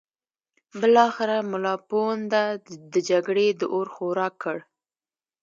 بالاخره ملا پوونده د جګړې د اور خوراک کړ.